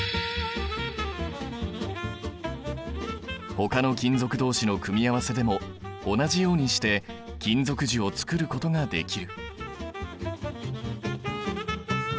ほかの金属同士の組み合わせでも同じようにして金属樹を作ることができる。